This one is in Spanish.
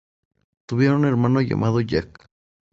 Tuvieron un hermano llamado Jack.